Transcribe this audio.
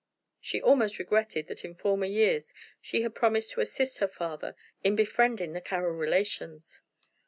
She almost regretted that in former years she had promised to assist her father in befriending the Carroll relations.